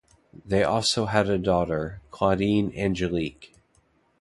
They also had a daughter, Claudine Angelique.